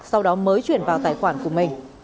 sau đó mới chuyển vào tài khoản của mình